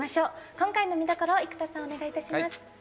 今回の見どころを生田さん、お願いします。